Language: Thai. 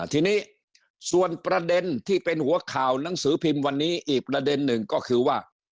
ทีนี้ส่วนประเด็นที่เป็นหัวข่าวหนังสือพิมพ์วันนี้อีกประเด็นหนึ่งก็คือว่า